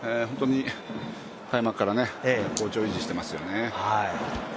開幕から好調を維持してますよね。